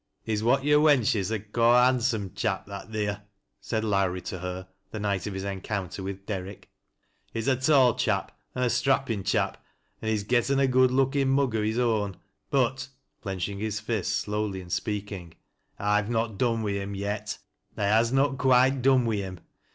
" He's what yo' wenches ud ca' a handsum chap, that theer," said Lowrie to her, the night of his encounter with Derrick. " He's a tall chap an' a strappin' chap an' he's gotten a good lookin' mug o' his own, but," clenching his fist slowly and speaking, " I've not done wi' him yet — I has not quite done wi' him.